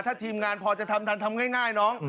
ถ้าทีมงานพอจะทำทันทำง่ายน้อง